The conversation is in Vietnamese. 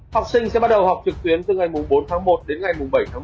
học sinh sẽ bắt đầu học trực tuyến từ ngày bốn tháng một đến ngày bảy tháng một